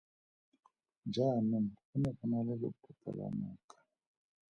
Jaanong go ne go na le lebopo la noka!